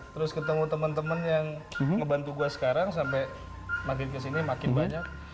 terus ketemu teman teman yang ngebantu gue sekarang sampai makin kesini makin banyak